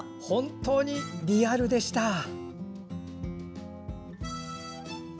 本当にリアルでした。